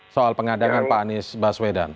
soal pengadangan pak anies baswedan